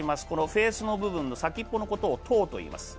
フェースの部分の先っぽのことをトウといいます。